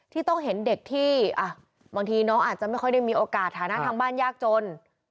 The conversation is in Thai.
ที่ต้องเห็นเด็กที่บางทีน้องอาจจะไม่ค่อยได้มีโอกาสฐานะทางบ้านยากจน